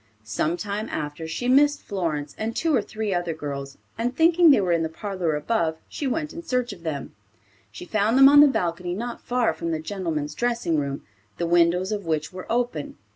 Some time after, she missed Florence and two or three other girls, and thinking they were in the parlor above, she went in search of them. She found them on the balcony not far from the gentlemen's dressing room, the windows of which were open.